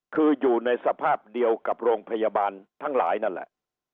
คืออยู่ในสภาพเดียวกับโรงพยาบาลทั้งหลายนั่นแหละ